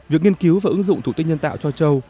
việc nghiên cứu và ứng dụng thủ tích nhân tạo cho châu